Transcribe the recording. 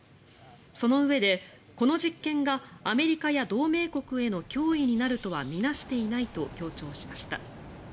そのうえで、この実験がアメリカや同盟国への脅威になるとは見なしていないと強調しました。